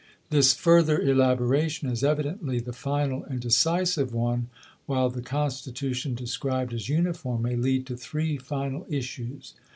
This further elaboration is evidently the final and decisive one while the constitution described as uniform may lead to three final issues.